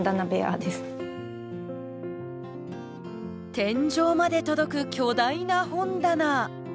天井まで届く巨大な本棚。